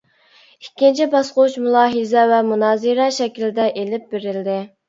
ئىككىنچى باسقۇچ مۇلاھىزە ۋە مۇنازىرە شەكىلدە ئېلىپ بېرىلدى.